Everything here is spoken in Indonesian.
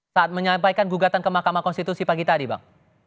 saat menyampaikan gugatan ke mahkamah konstitusi pagi tadi bang